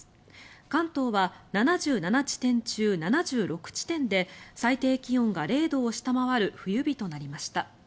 関東は７７地点中７６地点で最低気温が０度を下回る冬日となりました。